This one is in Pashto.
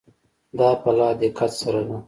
دا په لا دقت سره ده.